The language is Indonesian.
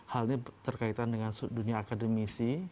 hal ini terkaitan dengan dunia akademisi